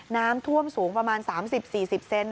น้ำท่วมสูงประมาณ๓๐๔๐เซน